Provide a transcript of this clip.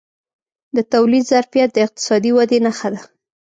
د تولید ظرفیت د اقتصادي ودې نښه ده.